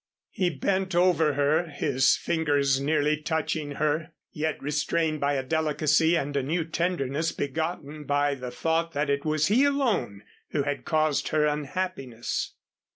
He bent over her, his fingers nearly touching her, yet restrained by a delicacy and a new tenderness begotten by the thought that it was he alone who had caused her unhappiness.